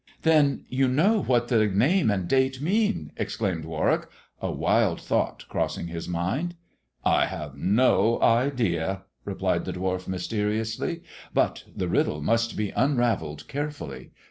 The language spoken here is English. "Then you know what the name and date mean?" exclaimed Warwick, a wild thought crossing his mind. " I have an idea," replied the dwarf mysteriously; " but the riddle must be unravelled carefully.